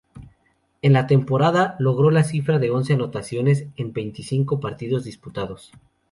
En la temporada logró la cifra de once anotaciones en veinticinco partidos disputados.